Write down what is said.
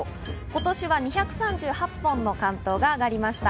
今年は２３８本の竿燈が上がりました。